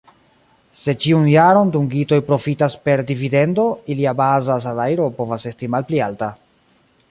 Se ĉiun jaron dungitoj profitas per dividendo, ilia baza salajro povas esti malpli alta.